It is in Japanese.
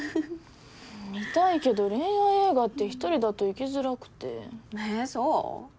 見たいけど恋愛映画って一人だと行きづらくてえそう？